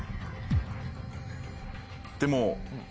でも。